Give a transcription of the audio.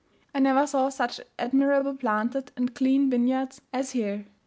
I never saw such admirably planted and clean vineyards as here.